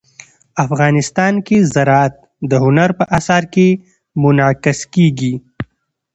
افغانستان کې زراعت د هنر په اثار کې منعکس کېږي.